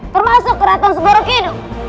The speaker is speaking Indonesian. termasuk keraton sebuah rokinu